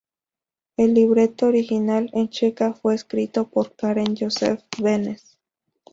El libreto original en checo fue escrito por Karel Josef Beneš.